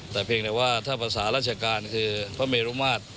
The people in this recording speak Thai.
แต่เพียงแต่ว่าถ้าภาษาราชการคือพระเมรุมาตร